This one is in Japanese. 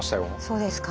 そうですか。